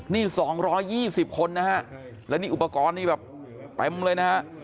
นี่สองร้อยยี่สิบคนนะฮะและนี่อุปกรณ์นี่แบบเต็มเลยนะฮะ